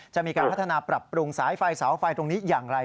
จะมีการพัฒนาปรับปรุงสายไฟเสาไฟตรงนี้อย่างไร